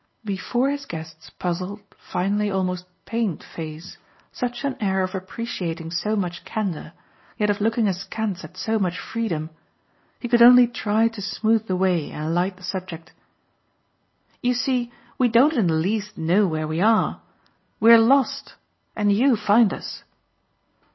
Before his guest's puzzled, finally almost pained face, such an air of appreciating so much candour, yet of looking askance at so much freedom, he could only try to smooth the way and light the subject. "You see we don't in the least know where we are. We're lost and you find us."